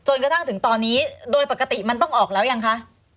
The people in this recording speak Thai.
กระทั่งถึงตอนนี้โดยปกติมันต้องออกแล้วยังคะ